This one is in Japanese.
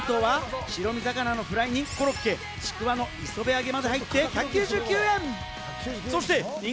第２位、のり弁当は白身魚のフライにコロッケ、ちくわの磯辺揚げなども入って１９９円。